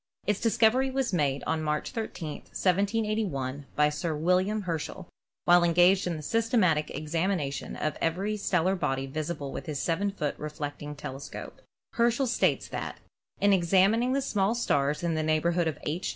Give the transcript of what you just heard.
Its discovery was made on March 13, 1781, by Sir William Herschel while engaged in the systematic exami nation of every stellar body visible with his 7 foot reflect ing telescope. Herschel states that: "In examining the small stars in the neighborhood of 'H.